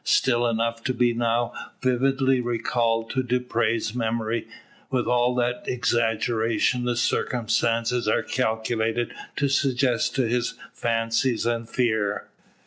Still enough to be now vividly recalled to Dupre's memory, with all that exaggeration the circumstances are calculated to suggest to his fancy and fears.